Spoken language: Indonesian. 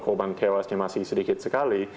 korban tewasnya masih sedikit sekali